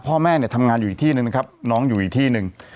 พ่อแม่เนี่ยทำงานอยู่อีกที่หนึ่งนะครับน้องอยู่อีกที่หนึ่ง